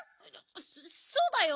そそうだよ。